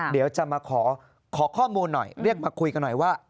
เดี๋ยวจะมาขอข้อมูลหน่อยเรียกมาคุยกันหน่อยว่า